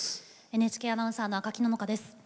ＮＨＫアナウンサーの赤木野々花です。